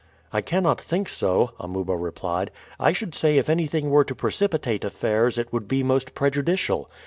"I cannot think so," Amuba replied. "I should say if anything were to precipitate affairs it would be most prejudicial.